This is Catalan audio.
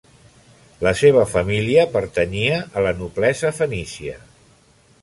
La seva família pertanyia a la noblesa fenícia.